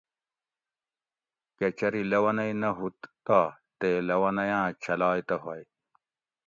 کہۤ چری لونئ نہ ھوت تہ تے لونئ آۤں چھلائ تہ ھوئ